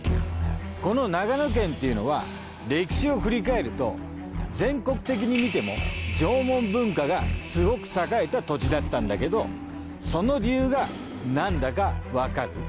この長野県っていうのは歴史を振り返ると全国的に見ても縄文文化がすごく栄えた土地だったんだけどその理由がなんだかわかる？